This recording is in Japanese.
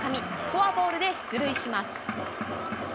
フォアボールで出塁します。